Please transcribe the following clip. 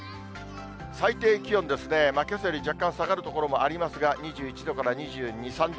最低気温ですね、けさより若干下がる所もありますが、２１度から２２、３度。